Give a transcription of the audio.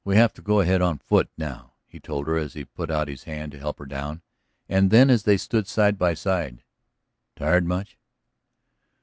"We have to go ahead on foot now," he told her as he put out his hand to help her down. And then as they stood side by side: "Tired much?"